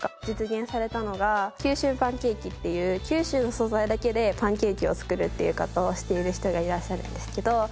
実現されたのが九州パンケーキっていう九州の素材だけでパンケーキを作るっていう活動をしている人がいらっしゃるんですけど。